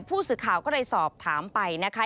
ผู้สื่อข่าวก็เลยสอบถามไปนะคะ